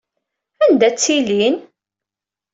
Anda ttilin?